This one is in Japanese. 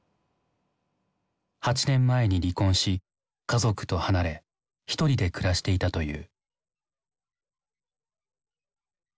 ８年前に離婚し家族と離れひとりで暮らしていたという。